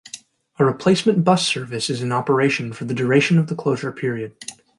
A replacement bus service is in operation for the duration of the closure period.